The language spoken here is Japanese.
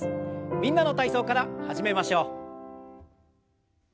「みんなの体操」から始めましょう。